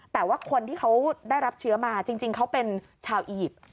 แต่ว่าคนที่เขาได้รับเชื้อมาจริงเขาเป็นชาวอียิปต์